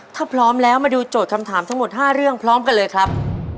ถ้าพร้อมแล้วมาดูโจทย์คำถามทั้งหมด๕เรื่องพร้อมกันเลยครับ